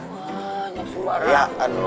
wah nyaksa lu harian kan lo